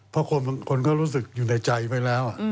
เพราะคนเขารู้สึกอยู่ในใจไปแล้ว